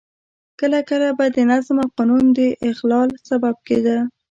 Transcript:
کله کله به د نظم او قانون د اخلال سبب کېده.